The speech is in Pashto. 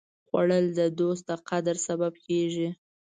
خوړل د دوست د قدر سبب کېږي